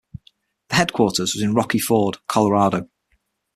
The headquarters was in Rocky Ford, Colorado.